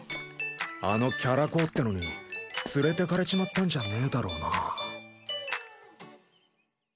あのキャラ公ってのに連れてかれちまったんじゃねえだろうな。